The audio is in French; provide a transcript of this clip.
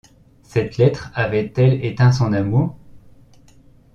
Cette lettre avait-elle éteint son amour?